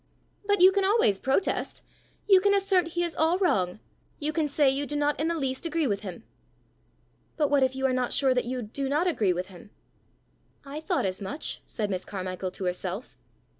"But you can always protest! You can assert he is all wrong. You can say you do not in the least agree with him!" "But what if you are not sure that you do not agree with him?" "I thought as much!" said Miss Carmichael to herself.